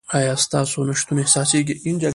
ایا ستاسو نشتون احساسیږي؟